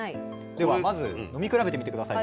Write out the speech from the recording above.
ではまず飲み比べてみて下さい。